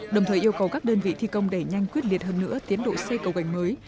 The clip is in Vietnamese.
đồng thời yêu cầu các đơn vị thi công đẩy nhanh quyết liệt hơn nữa tiến độ xây cầu gành mới